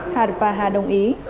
hà và hà đồng ý